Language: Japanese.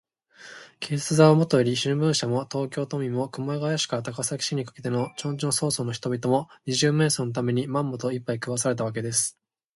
警察はもとより、新聞社も、東京都民も、熊谷市から高崎市にかけての町々村々の人々も、二十面相のために、まんまと、いっぱい食わされたわけです。